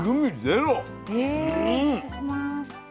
いただきます。